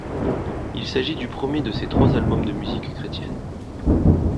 Il s'agit du premier de ses trois albums de musique chrétienne.